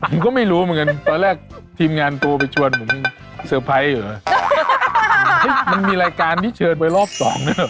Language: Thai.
มันก็ไม่รู้เหมือนกันตอนแรกทีมงานตัวไปชวนมันสเซอร์ไพรส์อยู่แล้วมันมีรายการที่เชิญไปรอบสองนะครับ